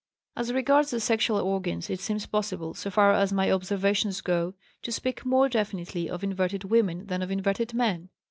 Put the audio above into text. As regards the sexual organs it seems possible, so far as my observations go, to speak more definitely of inverted women than of inverted men.